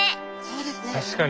確かに！